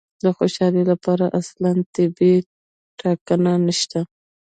د خوشالي لپاره اصلاً طبیعي ټاکنه نشته.